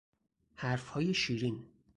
حرفهای شیرین